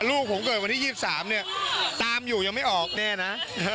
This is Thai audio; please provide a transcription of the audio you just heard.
ลูกผมเกิดวันที่๒๓เนี่ยตามอยู่ยังไม่ออกแน่นะ